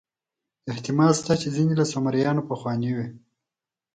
احتمال شته چې ځینې له سومریانو پخواني وي.